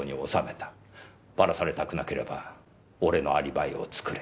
バラされたくなければ俺のアリバイを作れ。